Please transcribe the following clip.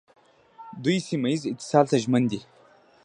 دوی سیمه ییز اتصال ته ژمن دي.